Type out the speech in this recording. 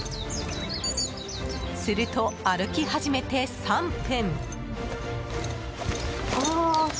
すると、歩き始めて３分。